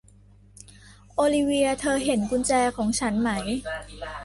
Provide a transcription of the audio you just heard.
โอลิเวียร์ เธอเห็นกุญแจของฉันไหม